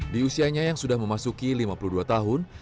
di usianya yang sudah memasuki lima puluh dua tahun